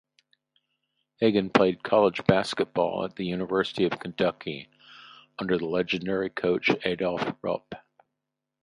Hagan played college basketball at the University of Kentucky under legendary coach Adolph Rupp.